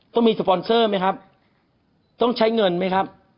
ต้องมีสปอนเซอร์ไหมครับต้องใช้เงินไหมครับ